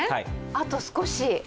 あと少し。